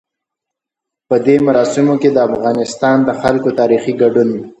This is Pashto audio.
په دې مراسمو کې د افغانستان د خلکو تاريخي ګډون.